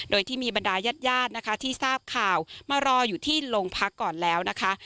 โดยที่มีบรรดายาดนะคะที่ทราบข่าวมารออยู่ที่โรงพักก่อนแล้วนะคะ